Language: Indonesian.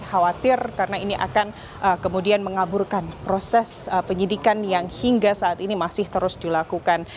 khawatir karena ini akan kemudian mengaburkan proses penyidikan yang hingga saat ini masih terus dilakukan